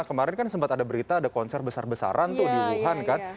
kemarin kan sempat ada berita ada konser besar besaran tuh di wuhan kan